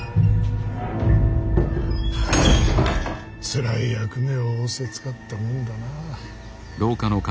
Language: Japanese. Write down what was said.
つらい役目を仰せつかったもんだな。